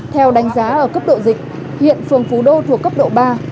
theo đánh giá ở cấp độ dịch hiện phường phú đô thuộc cấp độ ba